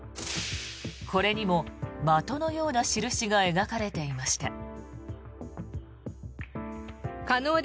これにも的のような印が描かれていました。